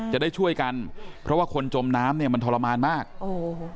จะได้ช่วยกันเพราะว่าคนจมน้ำเนี่ยมันทรมานมากโอ้โห